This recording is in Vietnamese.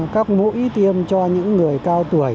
các mũi tiêm cho những người cao tuổi